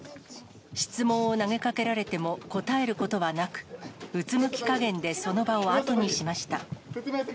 質問を投げかけられても答えることはなく、うつむきかげんでその場を後にしました。